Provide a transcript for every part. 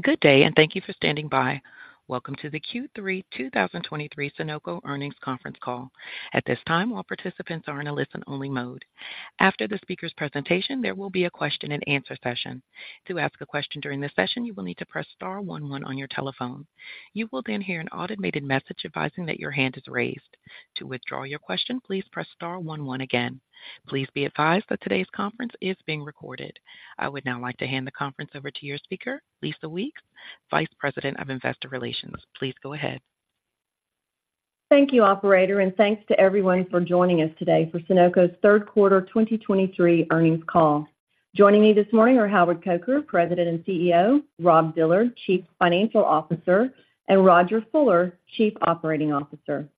Good day and thank you for standing by. Welcome to the Q3 2023 Sonoco earnings conference call. At this time, all participants are in a listen-only mode. After the speaker's presentation, there will be a question-and-answer session. To ask a question during this session, you will need to press star one one on your telephone. You will then hear an automated message advising that your hand is raised. To withdraw your question, please press star one one again. Please be advised that today's conference is being recorded. I would now like to hand the conference over to your speaker, Lisa Weeks, Vice President of Investor Relations. Please go ahead. Thank you, operator, and thanks to everyone for joining us today for Sonoco's third quarter 2023 earnings call. Joining me this morning are Howard Coker, President and CEO, Rob Dillard, Chief Financial Officer, and Rodger Fuller, Chief Operating Officer.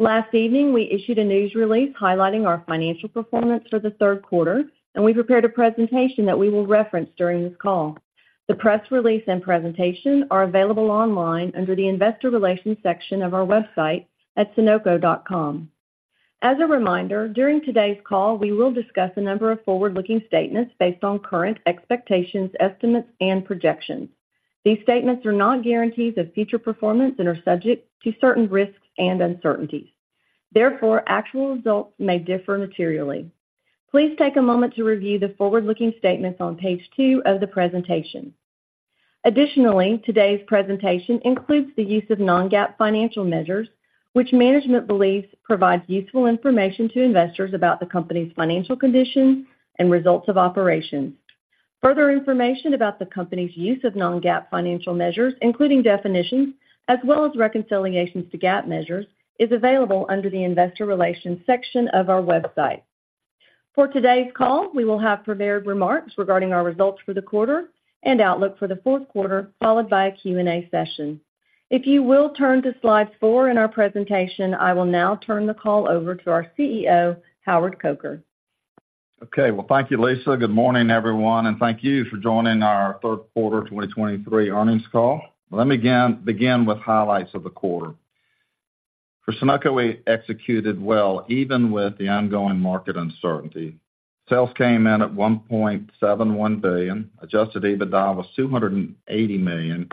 Last evening, we issued a news release highlighting our financial performance for the third quarter, and we prepared a presentation that we will reference during this call. The press release and presentation are available online under the Investor Relations section of our website at sonoco.com. As a reminder, during today's call, we will discuss a number of forward-looking statements based on current expectations, estimates, and projections. These statements are not guarantees of future performance and are subject to certain risks and uncertainties. Therefore, actual results may differ materially. Please take a moment to review the forward-looking statements on page two of the presentation. Additionally, today's presentation includes the use of non-GAAP financial measures, which management believes provides useful information to investors about the company's financial conditions and results of operations. Further information about the company's use of non-GAAP financial measures, including definitions, as well as reconciliations to GAAP measures, is available under the Investor Relations section of our website. For today's call, we will have prepared remarks regarding our results for the quarter and outlook for the fourth quarter, followed by a Q&A session. If you will turn to slide four in our presentation, I will now turn the call over to our CEO, Howard Coker. Okay, well, thank you, Lisa. Good morning, everyone, and thank you for joining our third quarter 2023 earnings call. Let me again begin with highlights of the quarter. For Sonoco, we executed well, even with the ongoing market uncertainty. Sales came in at $1.71 billion, adjusted EBITDA was $280 million,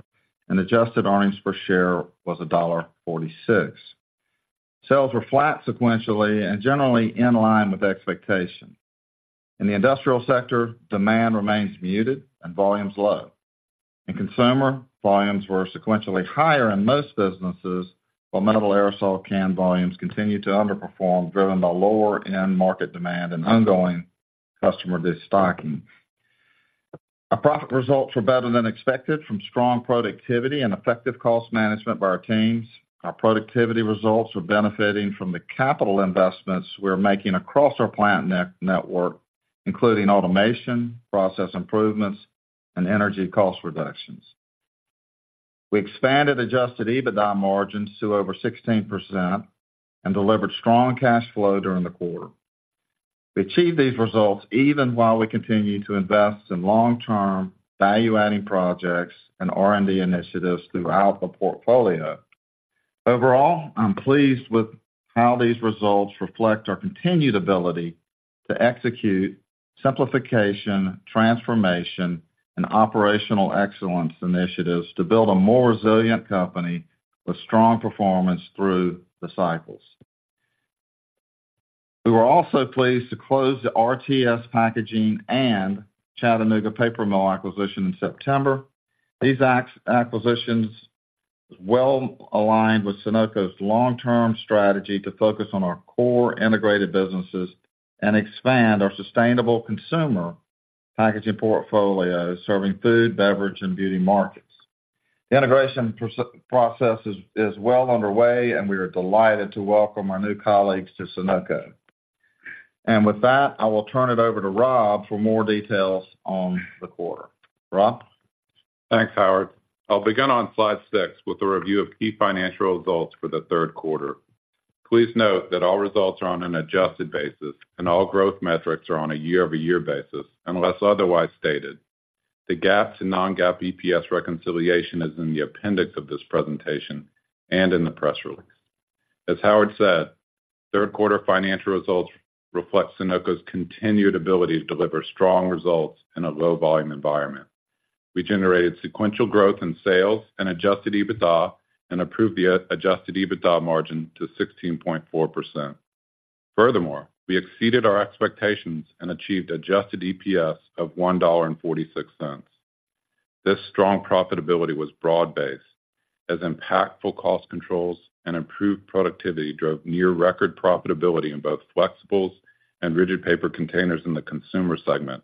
and adjusted earnings per share was $1.46. Sales were flat sequentially and generally in line with expectations. In the industrial sector, demand remains muted and volumes low. In consumer, volumes were sequentially higher in most businesses, while minimal aerosol can volumes continued to underperform, driven by lower end market demand and ongoing customer destocking. Our profit results were better than expected from strong productivity and effective cost management by our teams. Our productivity results were benefiting from the capital investments we're making across our plant network, including automation, process improvements, and energy cost reductions. We expanded adjusted EBITDA margins to over 16% and delivered strong cash flow during the quarter. We achieved these results even while we continued to invest in long-term, value-adding projects and R&D initiatives throughout the portfolio. Overall, I'm pleased with how these results reflect our continued ability to execute simplification, transformation, and operational excellence initiatives to build a more resilient company with strong performance through the cycles. We were also pleased to close the RTS Packaging and Chattanooga paper mill acquisition in September. These acquisitions is well aligned with Sonoco's long-term strategy to focus on our core integrated businesses and expand our sustainable consumer packaging portfolio, serving food, beverage, and beauty markets. The integration process is well underway, and we are delighted to welcome our new colleagues to Sonoco. With that, I will turn it over to Rob for more details on the quarter. Rob? Thanks, Howard. I'll begin on slide six with a review of key financial results for the third quarter. Please note that all results are on an adjusted basis, and all growth metrics are on a year-over-year basis, unless otherwise stated. The GAAP to non-GAAP EPS reconciliation is in the appendix of this presentation and in the press release. As Howard said, third quarter financial results reflect Sonoco's continued ability to deliver strong results in a low-volume environment. We generated sequential growth in sales and adjusted EBITDA and improved the adjusted EBITDA margin to 16.4%. Furthermore, we exceeded our expectations and achieved adjusted EPS of $1.46. This strong profitability was broad-based, as impactful cost controls and improved productivity drove near record profitability in both flexibles and rigid paper containers in the consumer segment,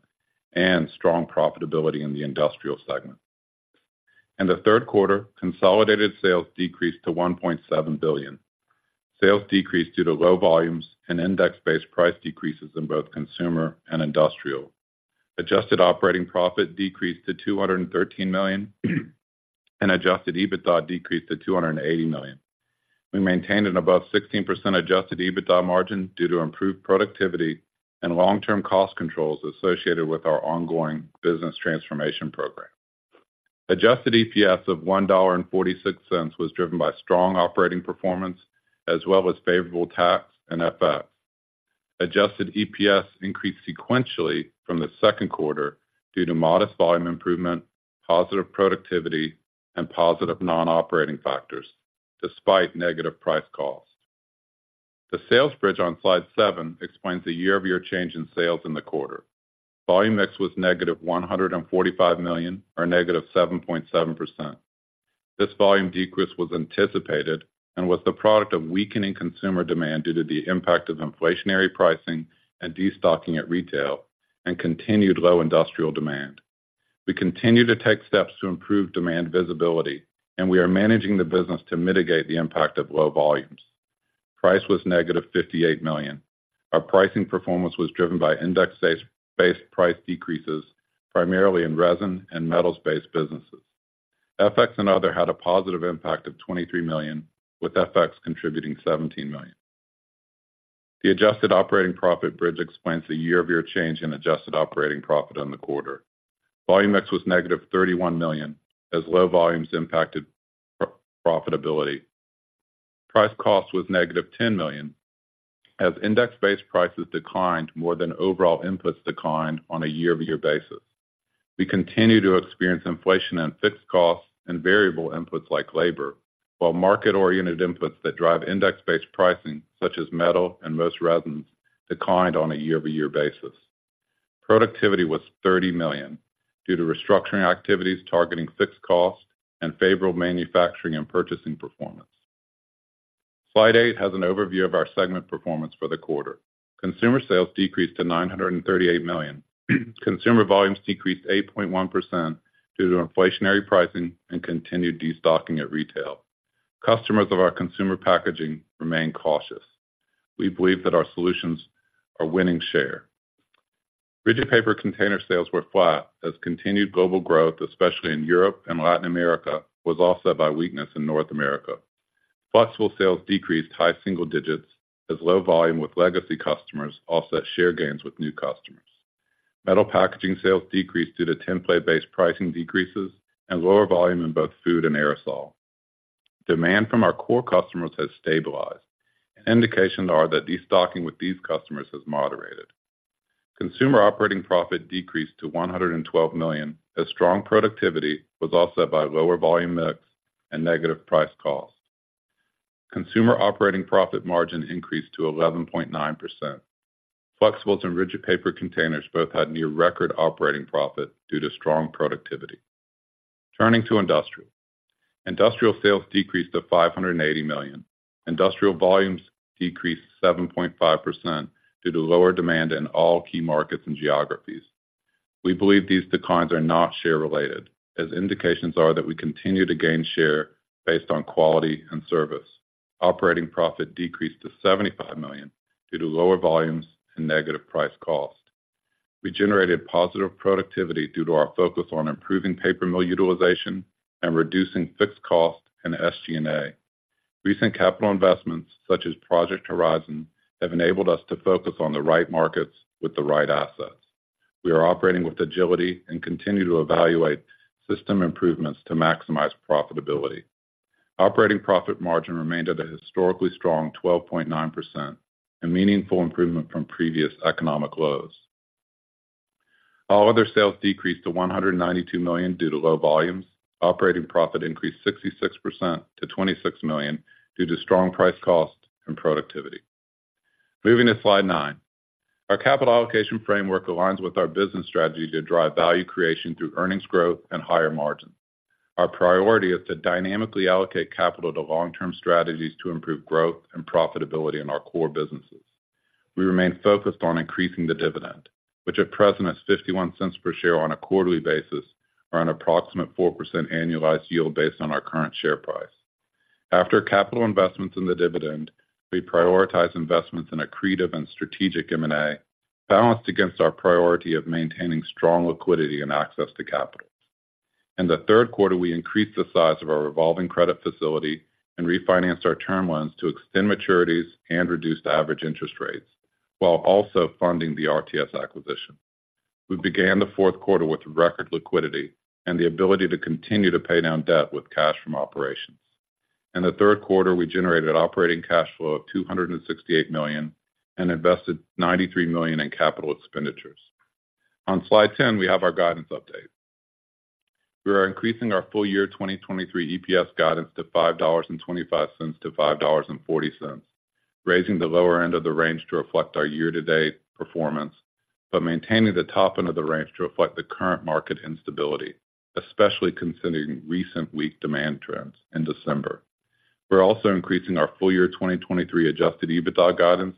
and strong profitability in the industrial segment. In the third quarter, consolidated sales decreased to $1.7 billion. Sales decreased due to low volumes and index-based price decreases in both consumer and industrial. Adjusted operating profit decreased to $213 million, and adjusted EBITDA decreased to $280 million. We maintained an above 16% adjusted EBITDA margin due to improved productivity and long-term cost controls associated with our ongoing business transformation program. Adjusted EPS of $1.46 was driven by strong operating performance as well as favorable tax and FX. Adjusted EPS increased sequentially from the second quarter due to modest volume improvement, positive productivity, and positive non-operating factors, despite negative price costs. The sales bridge on slide seven explains the year-over-year change in sales in the quarter. Volume mix was -$145 million, or -7.7%. This volume decrease was anticipated and was the product of weakening consumer demand due to the impact of inflationary pricing and destocking at retail, and continued low industrial demand. We continue to take steps to improve demand visibility, and we are managing the business to mitigate the impact of low volumes. Price was -$58 million. Our pricing performance was driven by index-based price decreases, primarily in resin and metals-based businesses. FX and other had a positive impact of $23 million, with FX contributing $17 million. The adjusted operating profit bridge explains the year-over-year change in adjusted operating profit in the quarter. Volume mix was -$31 million, as low volumes impacted profitability. Price cost was -$10 million, as index-based prices declined more than overall inputs declined on a year-over-year basis. We continue to experience inflation in fixed costs and variable inputs like labor, while market-oriented inputs that drive index-based pricing, such as metal and most resins, declined on a year-over-year basis. Productivity was $30 million due to restructuring activities targeting fixed costs and favorable manufacturing and purchasing performance. Slide eight has an overview of our segment performance for the quarter. Consumer sales decreased to $938 million. Consumer volumes decreased 8.1% due to inflationary pricing and continued destocking at retail. Customers of our consumer packaging remain cautious. We believe that our solutions are winning share. Rigid paper container sales were flat as continued global growth, especially in Europe and Latin America, was offset by weakness in North America. Flexible sales decreased high single digits as low volume with legacy customers offset share gains with new customers. Metal packaging sales decreased due to tinplate-based pricing decreases and lower volume in both food and aerosol. Demand from our core customers has stabilized. Indications are that destocking with these customers has moderated. Consumer operating profit decreased to $112 million, as strong productivity was offset by lower volume mix and negative price cost. Consumer operating profit margin increased to 11.9%. Flexibles and rigid paper containers both had near record operating profit due to strong productivity. Turning to industrial. Industrial sales decreased to $580 million. Industrial volumes decreased 7.5% due to lower demand in all key markets and geographies. We believe these declines are not share related, as indications are that we continue to gain share based on quality and service. Operating profit decreased to $75 million due to lower volumes and negative price cost. We generated positive productivity due to our focus on improving paper mill utilization and reducing fixed cost and SG&A. Recent capital investments, such as Project Horizon, have enabled us to focus on the right markets with the right assets. We are operating with agility and continue to evaluate system improvements to maximize profitability. Operating profit margin remained at a historically strong 12.9%, a meaningful improvement from previous economic lows. All other sales decreased to $192 million due to low volumes. Operating profit increased 66% to $26 million due to strong price cost and productivity. Moving to slide nine. Our capital allocation framework aligns with our business strategy to drive value creation through earnings growth and higher margins. Our priority is to dynamically allocate capital to long-term strategies to improve growth and profitability in our core businesses. We remain focused on increasing the dividend, which at present is $0.51 per share on a quarterly basis or an approximate 4% annualized yield based on our current share price. After capital investments in the dividend, we prioritize investments in accretive and strategic M&A, balanced against our priority of maintaining strong liquidity and access to capital. In the third quarter, we increased the size of our revolving credit facility and refinanced our term loans to extend maturities and reduce the average interest rates, while also funding the RTS acquisition. We began the fourth quarter with record liquidity and the ability to continue to pay down debt with cash from operations. In the third quarter, we generated operating cash flow of $268 million and invested $93 million in capital expenditures. On slide 10, we have our guidance update. We are increasing our full year 2023 EPS guidance to $5.25-$5.40, raising the lower end of the range to reflect our year-to-date performance, but maintaining the top end of the range to reflect the current market instability, especially considering recent weak demand trends in December. We're also increasing our full year 2023 Adjusted EBITDA guidance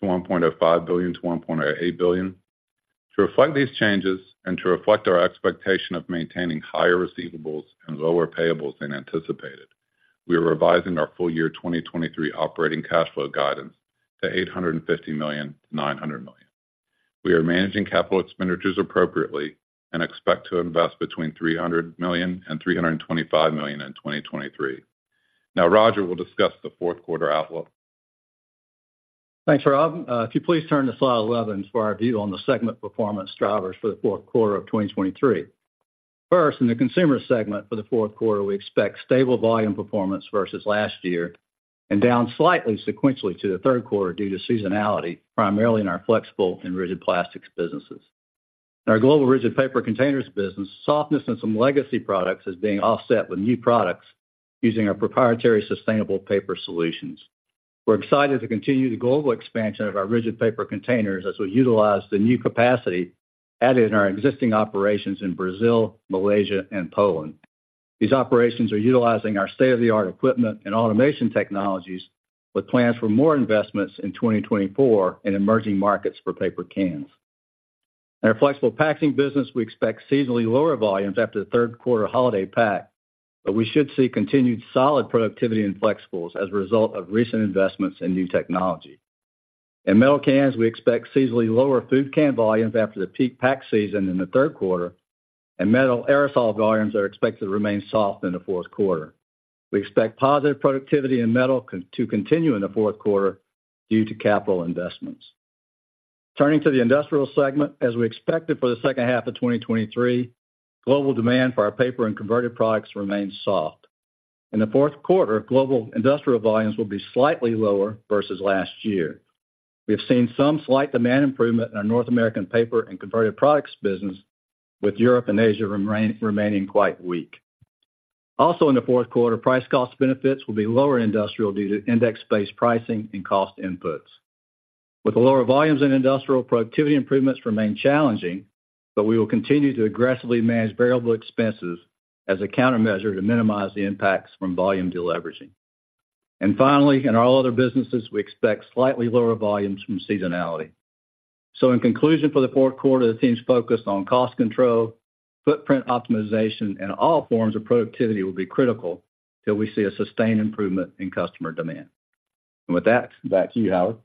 to $1.05 billion-$1.08 billion. To reflect these changes and to reflect our expectation of maintaining higher receivables and lower payables than anticipated, we are revising our full year 2023 operating cash flow guidance to $850 million-$900 million. We are managing capital expenditures appropriately and expect to invest between $300 million and $325 million in 2023. Now, Rodger will discuss the fourth quarter outlook. Thanks, Rob. If you please turn to slide 11 for our view on the segment performance drivers for the fourth quarter of 2023. First, in the consumer segment for the fourth quarter, we expect stable volume performance versus last year and down slightly sequentially to the third quarter due to seasonality, primarily in our flexible and rigid plastics businesses. In our global rigid paper containers business, softness in some legacy products is being offset with new products using our proprietary sustainable paper solutions. We're excited to continue the global expansion of our rigid paper containers as we utilize the new capacity added in our existing operations in Brazil, Malaysia, and Poland. These operations are utilizing our state-of-the-art equipment and automation technologies, with plans for more investments in 2024 in emerging markets for paper cans. In our flexible packaging business, we expect seasonally lower volumes after the third quarter holiday pack, but we should see continued solid productivity in flexibles as a result of recent investments in new technology. In metal cans, we expect seasonally lower food can volumes after the peak pack season in the third quarter, and metal aerosol volumes are expected to remain soft in the fourth quarter. We expect positive productivity in metal cans to continue in the fourth quarter due to capital investments. Turning to the industrial segment, as we expected for the second half of 2023, global demand for our paper and converted products remains soft. In the fourth quarter, global industrial volumes will be slightly lower versus last year. We have seen some slight demand improvement in our North American paper and converted products business, with Europe and Asia remaining quite weak. Also, in the fourth quarter, price cost benefits will be lower in industrial due to index-based pricing and cost inputs. With the lower volumes in industrial, productivity improvements remain challenging, but we will continue to aggressively manage variable expenses as a countermeasure to minimize the impacts from volume deleveraging. Finally, in all other businesses, we expect slightly lower volumes from seasonality. In conclusion, for the fourth quarter, the team's focus on cost control, footprint optimization, and all forms of productivity will be critical till we see a sustained improvement in customer demand. With that, back to you, Howard.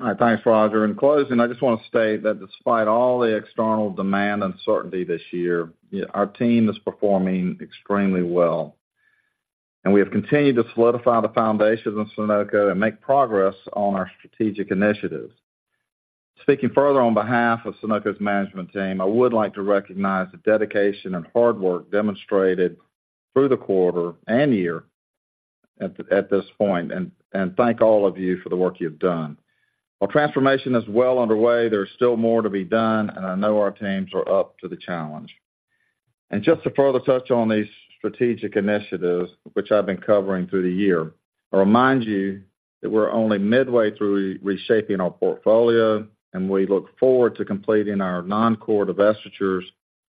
All right, thanks, Rodger. In closing, I just want to state that despite all the external demand uncertainty this year, our team is performing extremely well, and we have continued to solidify the foundation of Sonoco and make progress on our strategic initiatives. Speaking further on behalf of Sonoco's management team, I would like to recognize the dedication and hard work demonstrated through the quarter and year at this point and thank all of you for the work you've done. While transformation is well underway, there's still more to be done, and I know our teams are up to the challenge. Just to further touch on these strategic initiatives, which I've been covering through the year, I'll remind you that we're only midway through reshaping our portfolio, and we look forward to completing our non-core divestitures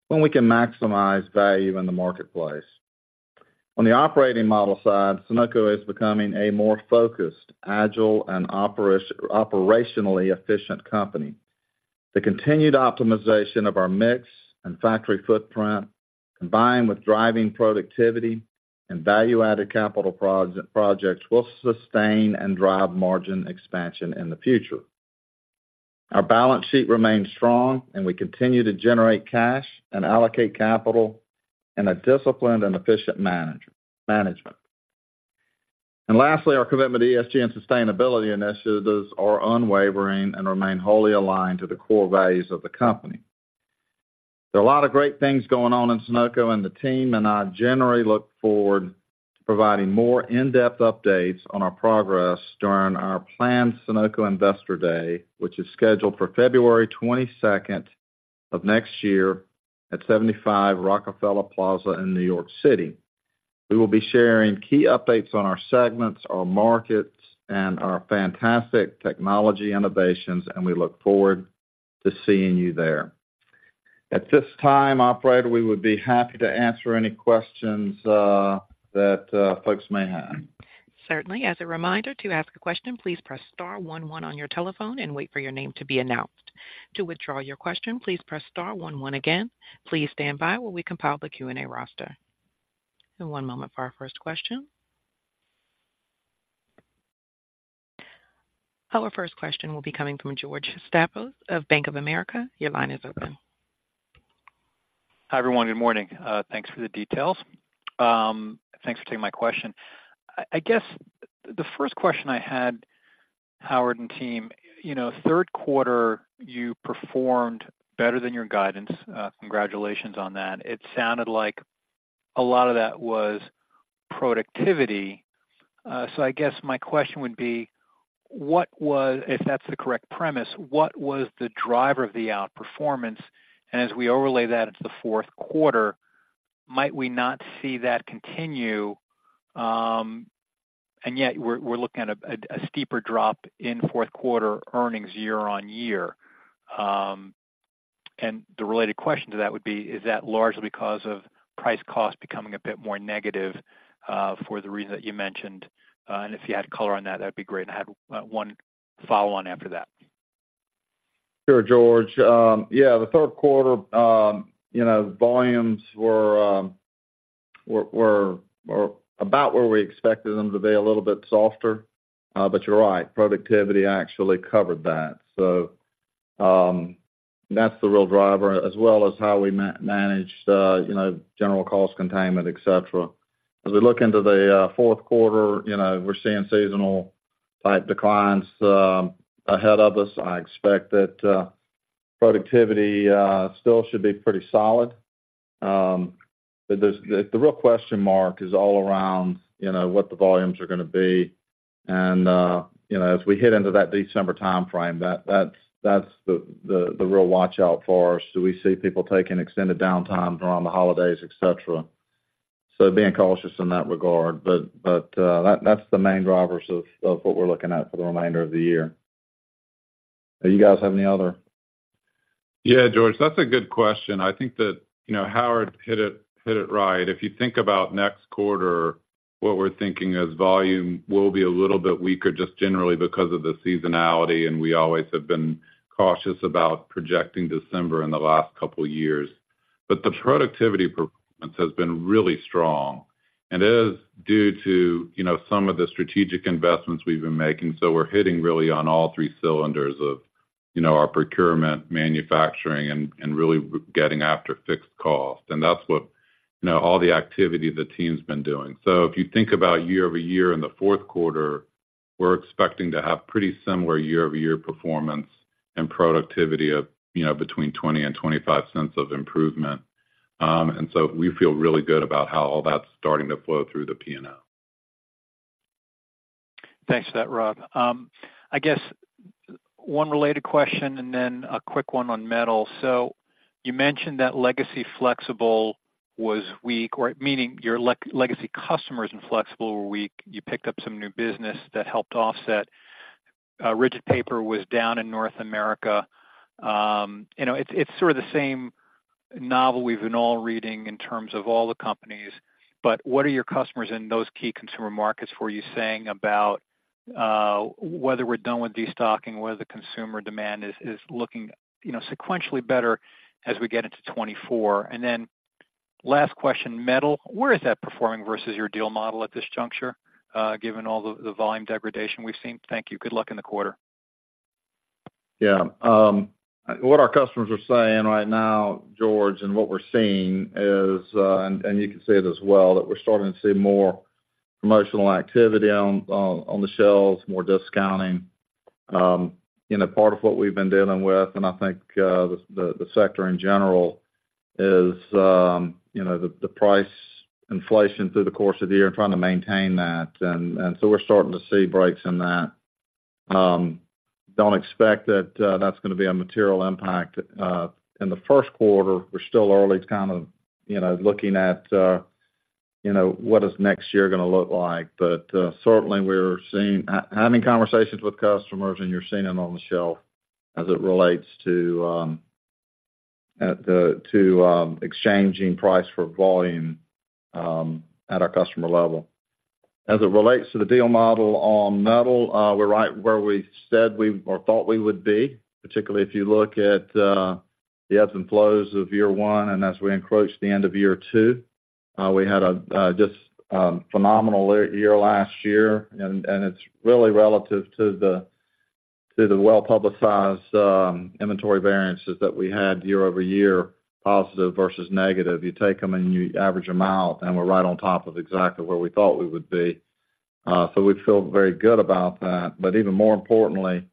when we can maximize value in the marketplace. On the operating model side, Sonoco is becoming a more focused, agile, and operationally efficient company. The continued optimization of our mix and factory footprint, combined with driving productivity and value-added capital projects, will sustain and drive margin expansion in the future. Our balance sheet remains strong, and we continue to generate cash and allocate capital in a disciplined and efficient management. Lastly, our commitment to ESG and sustainability initiatives are unwavering and remain wholly aligned to the core values of the company. There are a lot of great things going on in Sonoco, and the team and I generally look forward to providing more in-depth updates on our progress during our planned Sonoco Investor Day, which is scheduled for February 22nd of next year, at 75 Rockefeller Plaza in New York City. We will be sharing key updates on our segments, our markets, and our fantastic technology innovations, and we look forward to seeing you there. At this time, operator, we would be happy to answer any questions that folks may have. Certainly. As a reminder, to ask a question, please press star one one on your telephone and wait for your name to be announced. To withdraw your question, please press star one one again. Please stand by while we compile the Q&A roster. One moment for our first question. Our first question will be coming from George Staphos of Bank of America. Your line is open. Hi, everyone. Good morning. Thanks for the details. Thanks for taking my question. I guess the first question I had, Howard and team, you know, third quarter, you performed better than your guidance. Congratulations on that. It sounded like a lot of that was productivity. So I guess my question would be: What was—if that's the correct premise, what was the driver of the outperformance? And as we overlay that into the fourth quarter, might we not see that continue, and yet we're looking at a steeper drop in fourth quarter earnings year-on-year? And the related question to that would be: Is that largely because of price cost becoming a bit more negative, for the reason that you mentioned? And if you had color on that, that'd be great. I had one follow-on after that. Sure, George. Yeah, the third quarter, you know, volumes were about where we expected them to be, a little bit softer. But you're right, productivity actually covered that. So, that's the real driver, as well as how we managed, you know, general cost containment, et cetera. As we look into the fourth quarter, you know, we're seeing seasonal type declines ahead of us. I expect that productivity still should be pretty solid. But there's the real question mark is all around, you know, what the volumes are gonna be. And, you know, as we head into that December time frame, that's the real watch out for us. Do we see people taking extended downtimes around the holidays, et cetera? So being cautious in that regard, but that's the main drivers of what we're looking at for the remainder of the year. Do you guys have any other? Yeah, George, that's a good question. I think that, you know, Howard hit it, hit it right. If you think about next quarter, what we're thinking is volume will be a little bit weaker, just generally because of the seasonality, and we always have been cautious about projecting December in the last couple of years. But the productivity performance has been really strong, and it is due to, you know, some of the strategic investments we've been making. So we're hitting really on all three cylinders of, you know, our procurement, manufacturing, and, and really getting after fixed cost. And that's what, you know, all the activity the team's been doing. So if you think about year-over-year in the fourth quarter, we're expecting to have pretty similar year-over-year performance and productivity of, you know, between $0.20 and $0.25 of improvement. And so we feel really good about how all that's starting to flow through the P&L. Thanks for that, Rob. I guess one related question and then a quick one on metal. So you mentioned that legacy flexible was weak, meaning your legacy customers in flexible were weak. You picked up some new business that helped offset. Rigid paper was down in North America. You know, it's sort of the same novel we've been all reading in terms of all the companies, but what are your customers in those key consumer markets saying about whether we're done with destocking, whether the consumer demand is looking you know sequentially better as we get into 2024? And then last question, metal, where is that performing versus your deal model at this juncture, given all the volume degradation we've seen? Thank you. Good luck in the quarter. Yeah, what our customers are saying right now, George, and what we're seeing is, and you can see it as well, that we're starting to see more promotional activity on the shelves, more discounting. You know, part of what we've been dealing with, and I think, the sector in general is, you know, the price inflation through the course of the year and trying to maintain that. And so we're starting to see breaks in that. Don't expect that, that's gonna be a material impact, in the first quarter. We're still early kind of, you know, looking at, you know, what is next year gonna look like. But certainly, we're having conversations with customers, and you're seeing them on the shelf as it relates to exchanging price for volume at our customer level. As it relates to the deal model on metal, we're right where we said we or thought we would be, particularly if you look at the ebbs and flows of year one and as we approach the end of year two. We had a just phenomenal year last year, and it's really relative to the well-publicized inventory variances that we had year-over-year, positive versus negative. You take them and you average them out, and we're right on top of exactly where we thought we would be. So we feel very good about that. But even more importantly,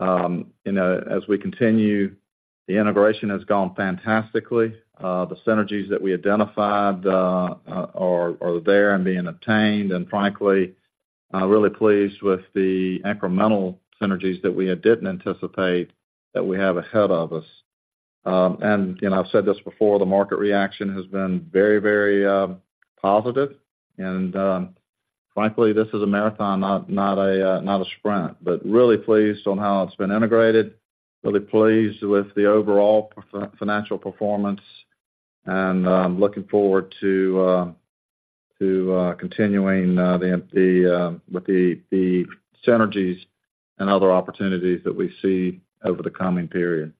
you know, as we continue, the integration has gone fantastically. The synergies that we identified are there and being obtained. And frankly, really pleased with the incremental synergies that we had didn't anticipate that we have ahead of us. And, you know, I've said this before, the market reaction has been very, very positive, and, frankly, this is a marathon, not a sprint, but really pleased on how it's been integrated, really pleased with the overall financial performance, and looking forward to continuing with the synergies and other opportunities that we see over the coming period.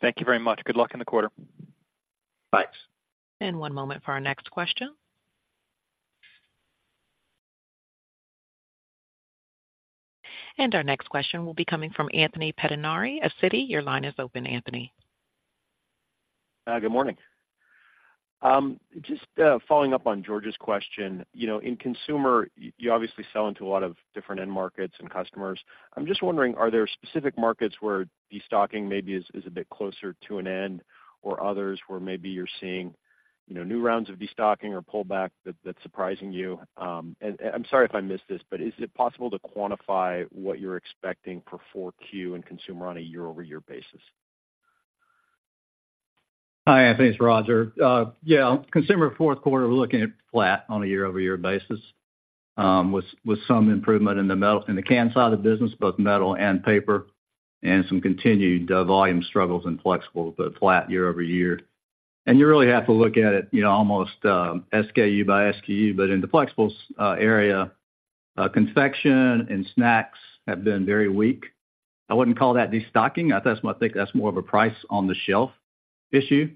Thank you very much. Good luck in the quarter. Thanks. One moment for our next question. Our next question will be coming from Anthony Pettinari of Citi. Your line is open, Anthony. Good morning. Just following up on George's question. You know, in consumer, you obviously sell into a lot of different end markets and customers. I'm just wondering, are there specific markets where destocking maybe is a bit closer to an end or others where maybe you're seeing, you know, new rounds of destocking or pullback that's surprising you? And I'm sorry if I missed this, but is it possible to quantify what you're expecting for Q4 in consumer on a year-over-year basis? Hi, Anthony, it's Rodger. Yeah, consumer fourth quarter, we're looking at flat on a year-over-year basis, with some improvement in the metal can side of the business, both metal and paper, and some continued volume struggles in flexibles, but flat year over year. And you really have to look at it, you know, almost SKU by SKU. But in the flexibles area, confection and snacks have been very weak. I wouldn't call that destocking. I think that's more of a price on the shelf issue.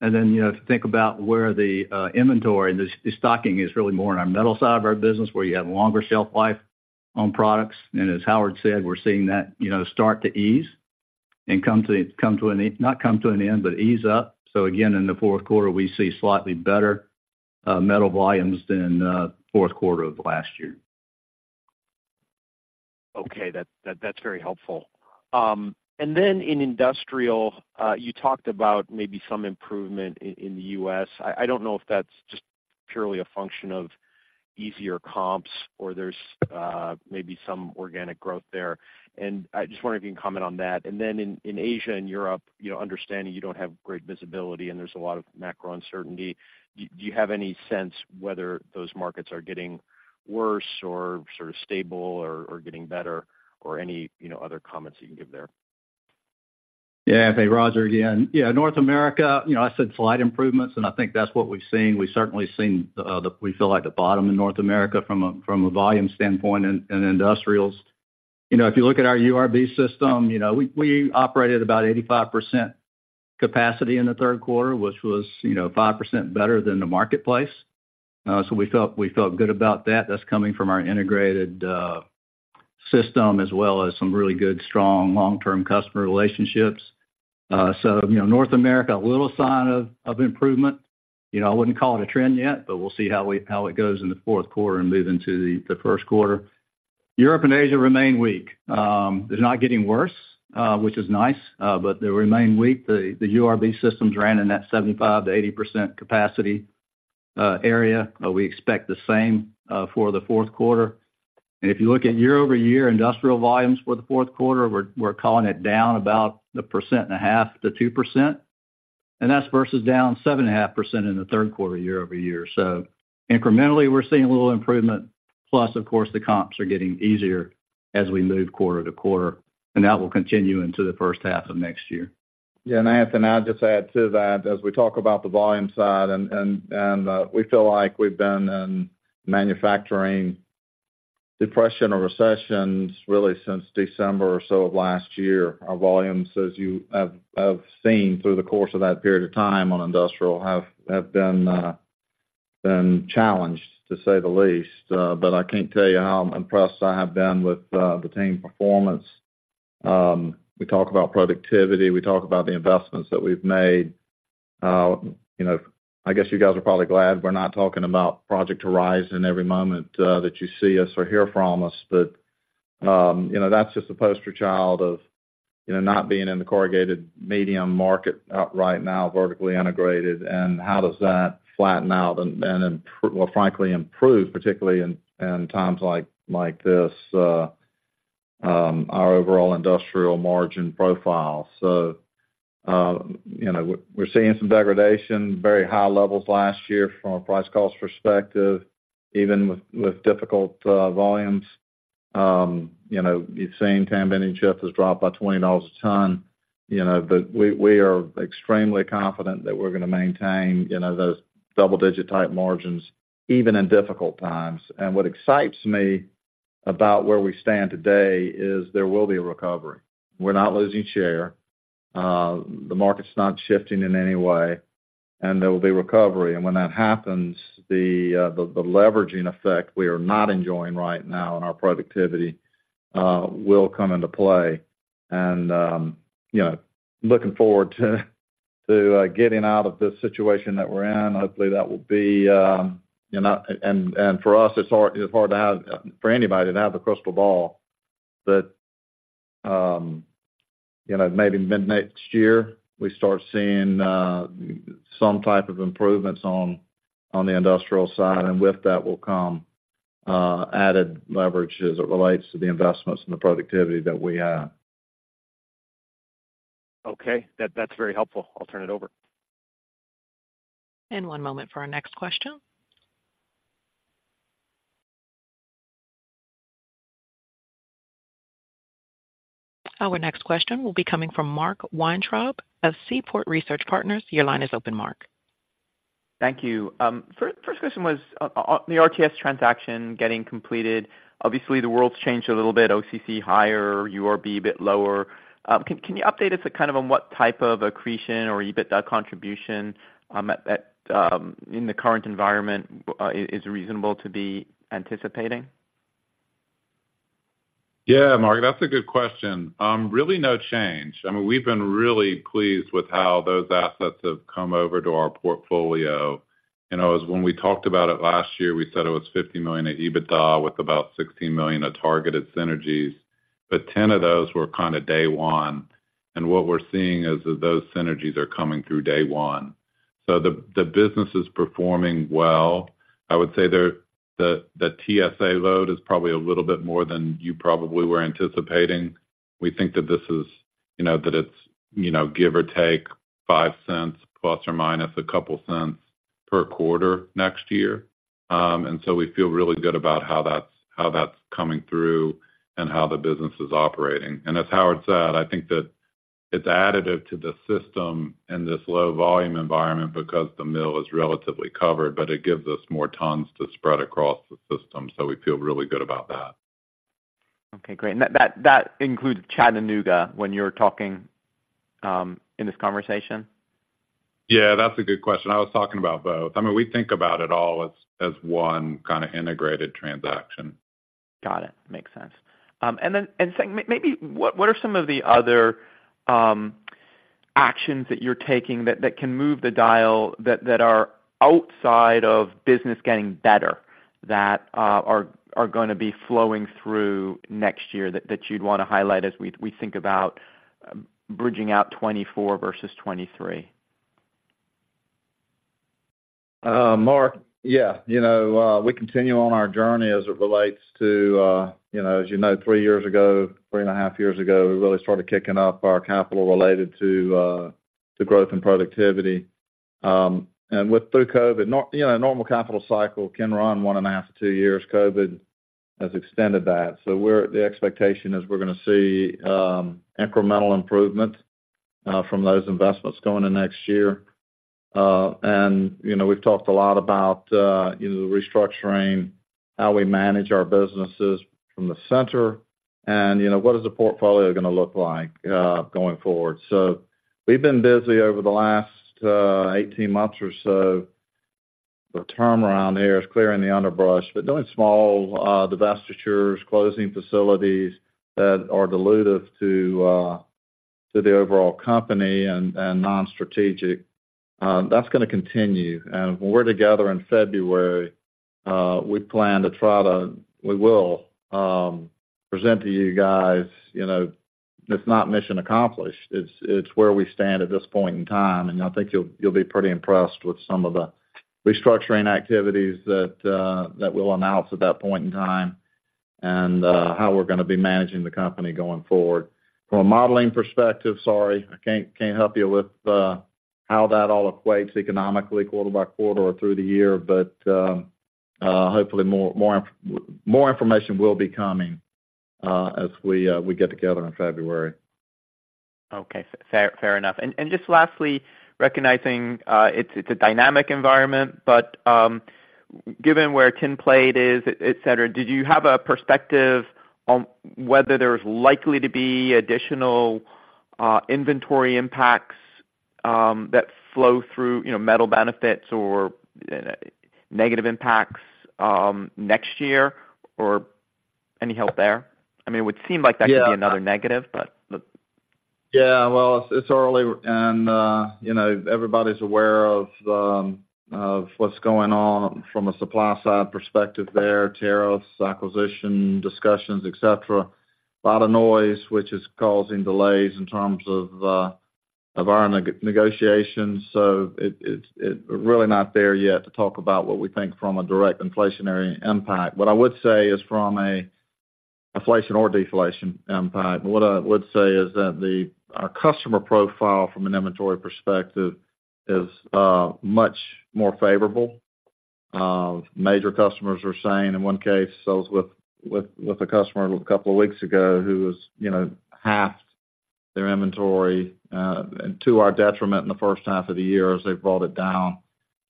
And then, you know, if you think about where the inventory and the destocking is really more on our metal side of our business, where you have longer shelf life on products. And as Howard said, we're seeing that, you know, start to ease and come to an end, but ease up. So again, in the fourth quarter, we see slightly better metal volumes than fourth quarter of last year. Okay, that's very helpful. And then in industrial, you talked about maybe some improvement in the U.S. I don't know if that's just purely a function of easier comps or there's maybe some organic growth there, and I just wonder if you can comment on that. And then in Asia and Europe, you know, understanding you don't have great visibility, and there's a lot of macro uncertainty, do you have any sense whether those markets are getting worse or sort of stable or getting better? Or any, you know, other comments that you can give there. Yeah. Hey, Rodger, again. Yeah, North America, you know, I said slight improvements, and I think that's what we've seen. We've certainly seen the... We feel like the bottom in North America from a, from a volume standpoint and, and industrials. You know, if you look at our URB system, you know, we operated about 85% capacity in the third quarter, which was, you know, 5% better than the marketplace. So we felt, we felt good about that. That's coming from our integrated system, as well as some really good, strong, long-term customer relationships. So, you know, North America, a little sign of, of improvement. You know, I wouldn't call it a trend yet, but we'll see how it goes in the fourth quarter and move into the, the first quarter. Europe and Asia remain weak. They're not getting worse, which is nice, but they remain weak. The URB systems ran in that 75%-80% capacity area. We expect the same for the fourth quarter. And if you look at year-over-year industrial volumes for the fourth quarter, we're calling it down about 1.5%-2%, and that's versus down 7.5% in the third quarter, year-over-year. So incrementally, we're seeing a little improvement, plus, of course, the comps are getting easier as we move quarter to quarter, and that will continue into the first half of next year. Yeah, and Anthony, I'd just add to that, as we talk about the volume side, we feel like we've been in manufacturing depression or recessions really since December or so of last year. Our volumes, as you have seen through the course of that period of time on industrial, have been challenged, to say the least. But I can't tell you how impressed I have been with the team performance. We talk about productivity, we talk about the investments that we've made. You know, I guess you guys are probably glad we're not talking about Project Horizon every moment that you see us or hear from us. But, you know, that's just a poster child of, you know, not being in the corrugated medium market outright now, vertically integrated, and how does that flatten out and improve, well, frankly, improve, particularly in times like this, our overall industrial margin profile. So, you know, we're seeing some degradation, very high levels last year from a price cost perspective, even with difficult volumes. You know, you've seen [tandem] and chip has dropped by $20 a ton, you know, but we are extremely confident that we're gonna maintain, you know, those double-digit type margins, even in difficult times. And what excites me about where we stand today is there will be a recovery. We're not losing share, the market's not shifting in any way, and there will be recovery. And when that happens, the leveraging effect we are not enjoying right now in our productivity will come into play. And you know, looking forward to getting out of this situation that we're in, hopefully, that will be you know. And for us, it's hard for anybody to have a crystal ball. But you know, maybe mid-next year, we start seeing some type of improvements on the industrial side, and with that will come added leverage as it relates to the investments and the productivity that we have. Okay. That, that's very helpful. I'll turn it over. One moment for our next question. Our next question will be coming from Mark Weintraub of Seaport Research Partners. Your line is open, Mark. Thank you. First question was the RTS transaction getting completed. Obviously, the world's changed a little bit, OCC higher, URB a bit lower. Can you update us kind of on what type of accretion or EBITDA contribution in the current environment is reasonable to be anticipating? Yeah, Mark, that's a good question. Really no change. I mean, we've been really pleased with how those assets have come over to our portfolio. You know, as when we talked about it last year, we said it was $50 million of EBITDA with about $16 million of targeted synergies, but 10 of those were kind of day one. What we're seeing is that those synergies are coming through day one. So the business is performing well. I would say there, the TSA load is probably a little bit more than you probably were anticipating. We think that this is, you know, that it's, you know, give or take $0.05, plus or minus a couple cents per quarter next year. And so we feel really good about how that's coming through and how the business is operating. As Howard said, I think that it's additive to the system in this low volume environment because the mill is relatively covered, but it gives us more tons to spread across the system, so we feel really good about that. Okay, great. And that includes Chattanooga when you're talking in this conversation? Yeah, that's a good question. I was talking about both. I mean, we think about it all as one kind of integrated transaction. Got it. Makes sense. And then second, maybe what are some of the other actions that you're taking that can move the dial that are outside of business getting better, that are gonna be flowing through next year, that you'd wanna highlight as we think about bridging out 2024 versus 2023? Mark, yeah, you know, we continue on our journey as it relates to, you know, as you know, three years ago, 3.5 years ago, we really started kicking up our capital related to, to growth and productivity. And with through COVID, you know, a normal capital cycle can run 1.5-2 years. COVID has extended that. So we're the expectation is we're gonna see, incremental improvement, from those investments going into next year. And, you know, we've talked a lot about, you know, the restructuring, how we manage our businesses from the center, and, you know, what is the portfolio gonna look like, going forward? So we've been busy over the last, 18 months or so. The term around here is clearing the underbrush, but doing small divestitures, closing facilities that are dilutive to the overall company and non-strategic. That's gonna continue. When we're together in February, we plan to try to. We will present to you guys. You know, it's not mission accomplished. It's where we stand at this point in time. I think you'll be pretty impressed with some of the restructuring activities that we'll announce at that point in time, and how we're gonna be managing the company going forward. From a modeling perspective, sorry, I can't help you with how that all equates economically quarter by quarter or through the year. Hopefully, more information will be coming as we get together in February. Okay. Fair, fair enough. And, and just lastly, recognizing, it's, it's a dynamic environment, but, given where tin plate is, et cetera, did you have a perspective on whether there's likely to be additional, inventory impacts, that flow through, you know, metal benefits or, negative impacts, next year, or any help there? I mean, it would seem like that could be another negative, but- Yeah, well, it's early and, you know, everybody's aware of what's going on from a supply side perspective there, tariffs, acquisition, discussions, et cetera. A lot of noise, which is causing delays in terms of our negotiations. So it's really not there yet to talk about what we think from a direct inflationary impact. What I would say is from a inflation or deflation impact, what I would say is that our customer profile from an inventory perspective is much more favorable. Major customers are saying, in one case, those with a customer a couple of weeks ago, who was, you know, half their inventory, and to our detriment in the first half of the year, as they've brought it down,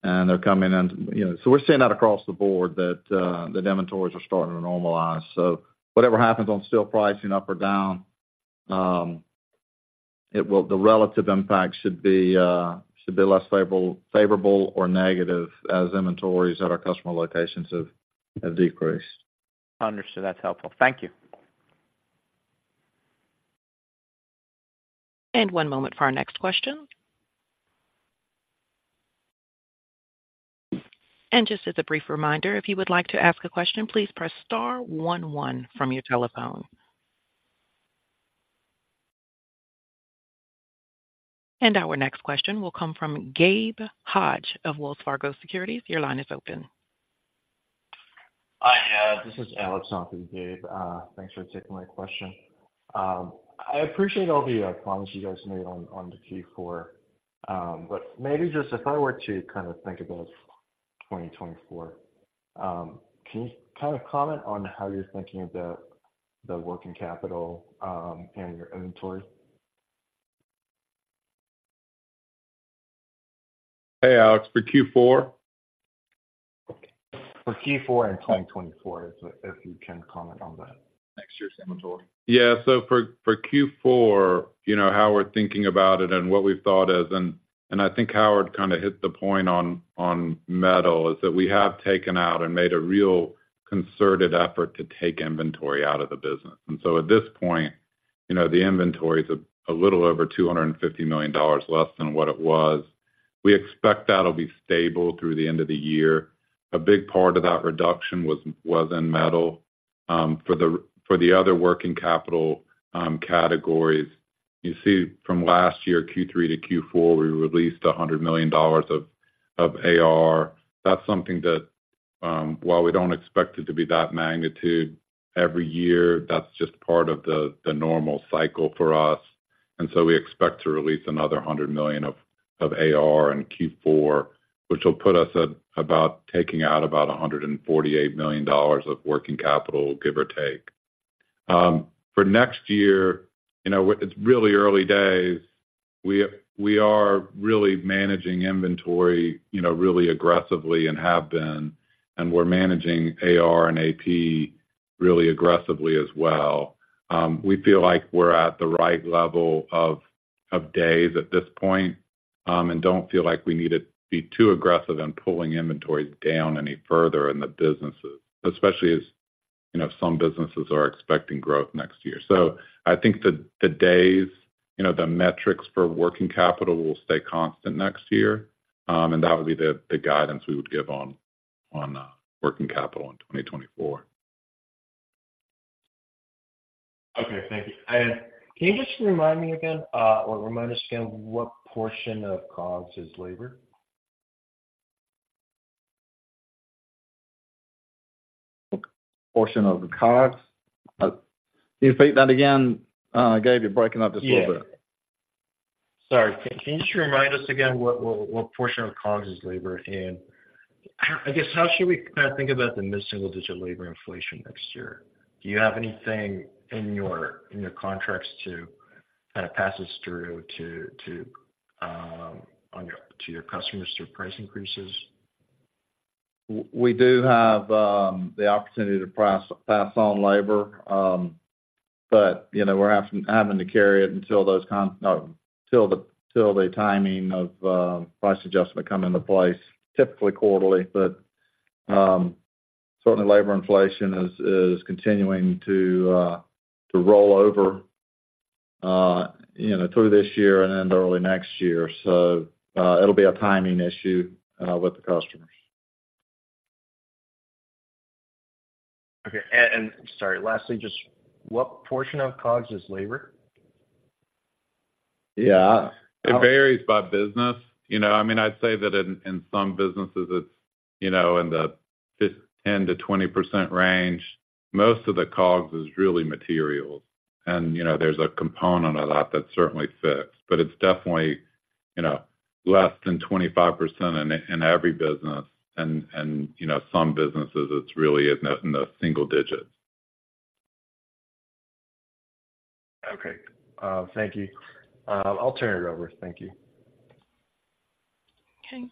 and they're coming in, you know... So we're seeing that across the board, that the inventories are starting to normalize. So whatever happens on steel pricing, up or down, the relative impact should be less favorable or negative as inventories at our customer locations have decreased. Understood. That's helpful. Thank you. One moment for our next question. Just as a brief reminder, if you would like to ask a question, please press star one one from your telephone. Our next question will come from Gabe Hajde of Wells Fargo Securities. Your line is open. Hi, this is Alex, not Gabe. Thanks for taking my question. I appreciate all the comments you guys made on the Q4. But maybe just if I were to kind of think about 2024, can you kind of comment on how you're thinking about the working capital and your inventory? Hey, Alex, for Q4? For Q4 and 2024, if you can comment on the next year's inventory? Yeah. So for Q4, you know, how we're thinking about it and what we've thought is, and I think Howard kind of hit the point on metal, is that we have taken out and made a real concerted effort to take inventory out of the business. And so at this point, you know, the inventory is a little over $250 million less than what it was. We expect that'll be stable through the end of the year. A big part of that reduction was in metal. For the other working capital categories, you see from last year, Q3 to Q4, we released $100 million of AR. That's something that, while we don't expect it to be that magnitude every year, that's just part of the normal cycle for us, and so we expect to release another $100 million of AR in Q4, which will put us at about taking out about $148 million of working capital, give or take. For next year, you know, it's really early days. We are really managing inventory, you know, really aggressively and have been, and we're managing AR and AP really aggressively as well. We feel like we're at the right level of days at this point, and don't feel like we need to be too aggressive in pulling inventories down any further in the businesses, especially as, you know, some businesses are expecting growth next year. So I think the days, you know, the metrics for working capital will stay constant next year, and that would be the guidance we would give on working capital in 2024. Okay, thank you. And can you just remind me again, or remind us again, what portion of COGS is labor? What portion of the COGS? Can you repeat that again, Gabe? You're breaking up just a little bit. Yeah. Sorry, can you just remind us again what, what portion of COGS is labor? And, I, I guess, how should we kinda think about the mid-single-digit labor inflation next year? Do you have anything in your, in your contracts to kind of pass this through to, to, on your-- to your customers through price increases? We do have the opportunity to pass on labor, but, you know, we're having to carry it until the timing of price adjustment come into place, typically quarterly. But certainly labor inflation is continuing to roll over, you know, through this year and then early next year. So, it'll be a timing issue with the customers. Okay. And, sorry, lastly, just what portion of COGS is labor? Yeah. It varies by business. You know, I mean, I'd say that in, in some businesses it's, you know, in the 10%-20% range. Most of the COGS is really materials. And, you know, there's a component of that that's certainly fixed, but it's definitely, you know, less than 25% in, in every business. And, and, you know, some businesses, it's really in the, in the single digits. Okay. Thank you. I'll turn it over. Thank you. Okay.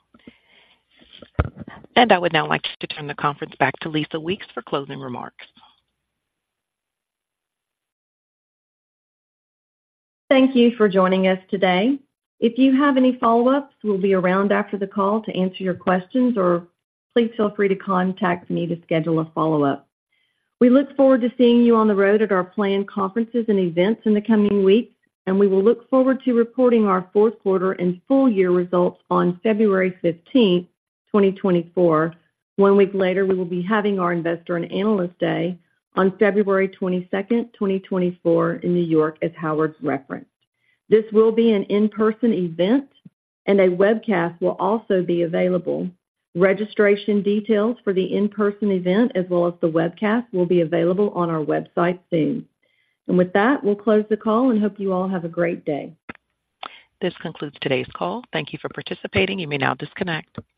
And I would now like to turn the conference back to Lisa Weeks for closing remarks. Thank you for joining us today. If you have any follow-ups, we'll be around after the call to answer your questions, or please feel free to contact me to schedule a follow-up. We look forward to seeing you on the road at our planned conferences and events in the coming weeks, and we will look forward to reporting our fourth quarter and full year results on February 15th, 2024. One week later, we will be having our Investor and Analyst Day on February 22nd, 2024, in New York, as Howard referenced. This will be an in-person event, and a webcast will also be available. Registration details for the in-person event, as well as the webcast, will be available on our website soon. With that, we'll close the call and hope you all have a great day. This concludes today's call. Thank you for participating. You may now disconnect.